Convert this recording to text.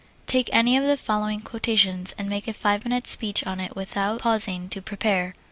Take any of the following quotations and make a five minute speech on it without pausing to prepare.